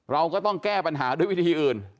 เราก็ต้องแก้ปัญหาด้วยวิธีอื่น